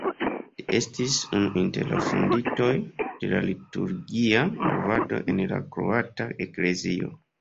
Li estis unu inter la fondintoj de la liturgia movado en la kroata Eklezio.